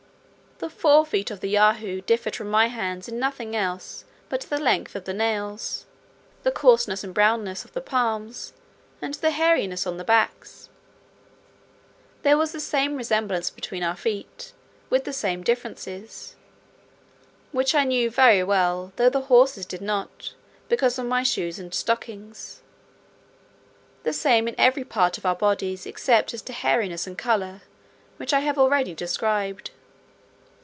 The forefeet of the Yahoo differed from my hands in nothing else but the length of the nails, the coarseness and brownness of the palms, and the hairiness on the backs. There was the same resemblance between our feet, with the same differences; which I knew very well, though the horses did not, because of my shoes and stockings; the same in every part of our bodies except as to hairiness and colour, which I have already described.